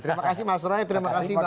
terima kasih mas rony terima kasih bang rut